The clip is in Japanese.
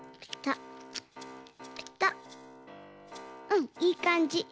うんいいかんじ。